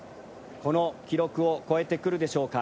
この記録を超えてくるでしょうか。